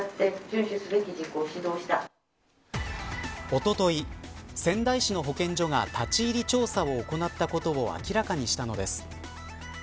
おととい、仙台市の保健所が立ち入り調査を行ったことを明らかにしたのです。